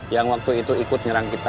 yang waktu itu ikut nyerang kita